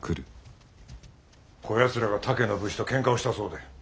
こやつらが他家の武士とけんかをしたそうで。